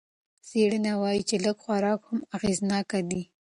څېړنه وايي چې لږ خوراک هم اغېزناکه دی.